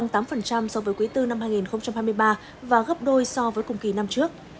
giao dịch tăng tám so với quý iv năm hai nghìn hai mươi ba và gấp đôi so với cùng kỳ năm trước